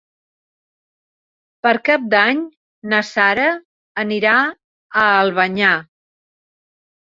Per Cap d'Any na Sara anirà a Albanyà.